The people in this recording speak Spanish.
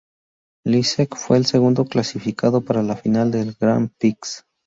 Lysacek fue el segundo clasificado para la final del Grand Prix.